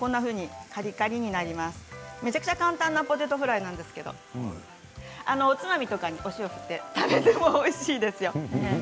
めちゃくちゃ簡単なポテトフライなんですけれどおつまみとかにお塩を振って食べてもおいしいですよ。